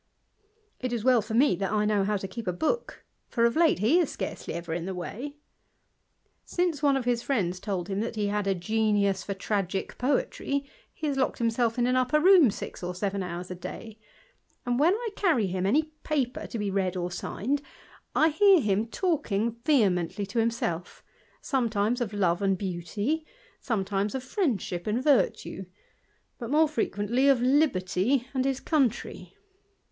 It is well for me that I know how to keep a book, for of e he is scarcely ever in the way. Since one of his friends 3o8 THE IDLER. told him that he had a genius for tragick poetry, he ha^ locked himself in an upper room six or seven hours a day and when I carry him any paper to be read or signed, hear him talking vehemently to himself, sometimes of lox? and beauty, sometimes of friendship and virtue, but mc^j frequently of liberty and his country.